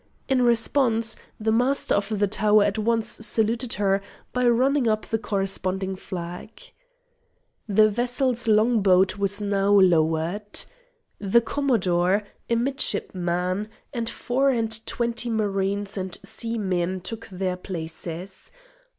In response, the Master of the tower at once saluted her by running up the corresponding flag. The vessel's long boat was now lowered. The Commodore, a midshipman, and four and twenty marines and seamen took their places.